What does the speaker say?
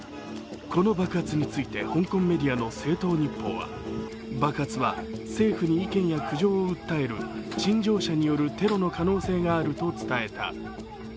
この爆発について、香港メディアの「星島日報」は爆発は、政府に意見や苦情を訴える陳情者によるテロの可能性があると伝えた。